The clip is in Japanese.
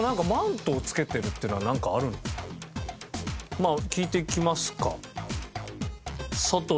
まあ聞いていきますか。